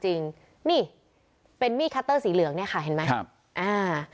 จริงนี่เป็นมีดคัตเตอร์สีเหลืองเนี่ยค่ะเห็นไหมครับอ่า